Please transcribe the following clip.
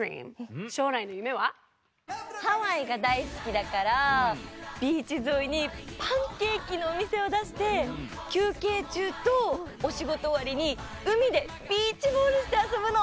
ハワイがだいすきだからビーチぞいにパンケーキのおみせをだしてきゅうけいちゅうとおしごとおわりにうみでビーチボールしてあそぶの！